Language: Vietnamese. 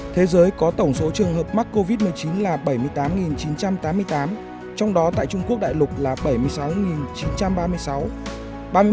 thế giới có tổng số trường hợp mắc covid một mươi chín là bảy mươi tám chín trăm tám mươi tám trong đó tại trung quốc đại lục là bảy mươi sáu chín trăm ba mươi sáu